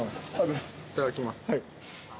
いただきます。